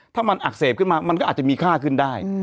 ถ้ามันอักเสบขึ้นมามันก็อาจจะมีค่าขึ้นได้